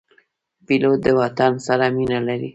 پیلوټ د وطن سره مینه لري.